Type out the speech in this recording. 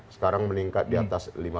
sekarang meningkat di atas